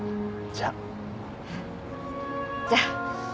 じゃあ。